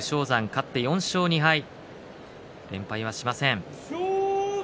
勝って４勝２敗、連敗はしません。